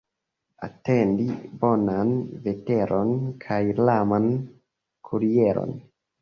Atendi bonan veteron kaj laman kurieron.